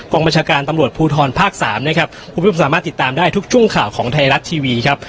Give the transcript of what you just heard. บัญชาการตำรวจภูทรภาคสามนะครับคุณผู้ชมสามารถติดตามได้ทุกช่วงข่าวของไทยรัฐทีวีครับ